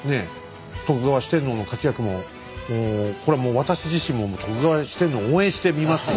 徳川四天王の活躍もこれはもう私自身も徳川四天王応援して見ますよ。